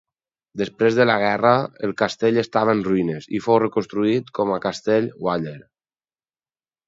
Després de la guerra, el castell estava en ruïnes, i fou reconstruït com a castell Waller.